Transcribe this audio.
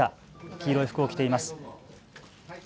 黄色い服を着ています。